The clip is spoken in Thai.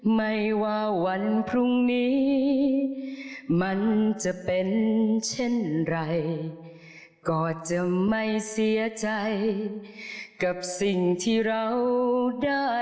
ไม่ว่าวันพรุ่งนี้มันจะเป็นเช่นไรก็จะไม่เสียใจกับสิ่งที่เราได้